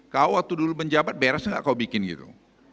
kau waktu dulu menjabat beres nggak kau bikin gitu